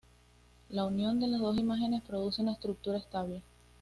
La unión de las dos imágenes produce una estructura estable.